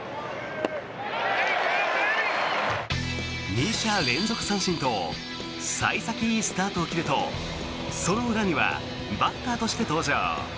２者連続三振と幸先いいスタートを切るとその裏にはバッターとして登場。